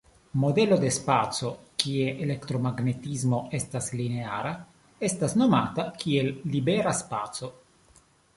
Modelo de spaco kie elektromagnetismo estas lineara estas nomata kiel libera spaco.